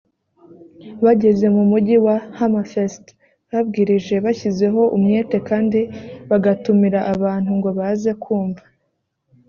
bageze mu mugi wa hammerfest babwirije bashyizeho umwete kandi bagatumira abantu ngo baze kumva